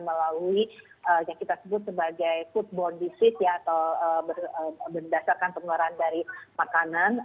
melalui yang kita sebut sebagai foodborne disease atau berdasarkan pengeluaran dari makanan